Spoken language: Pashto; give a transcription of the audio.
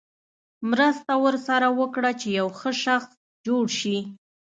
مرسته ورسره وکړه چې یو ښه شخص جوړ شي.